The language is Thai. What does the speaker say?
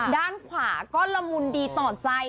ด้านขวาก็ละมุนดีต่อใจ